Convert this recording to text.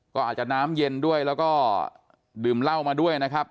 ก็อาจจะน้ำเย็นด้วยแล้วก็ดื่มเหล้ามาด้วยนะครับ